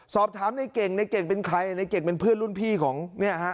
สอบถามในเก่งในเก่งเป็นใครในเก่งเป็นเพื่อนรุ่นพี่ของเนี่ยฮะ